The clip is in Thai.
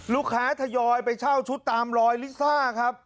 ทยอยไปเช่าชุดตามรอยลิซ่าครับ